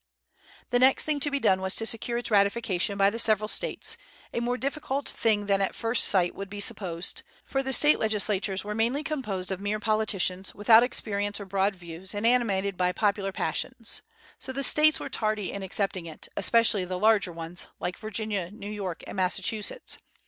The next thing to be done was to secure its ratification by the several States, a more difficult thing than at first sight would be supposed; for the State legislatures were mainly composed of mere politicians, without experience or broad views, and animated by popular passions. So the States were tardy in accepting it, especially the larger ones, like Virginia, New York, and Massachusetts.